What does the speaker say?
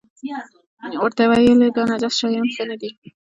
ورته ویې ویل داسې نجس شیان ښه نه دي.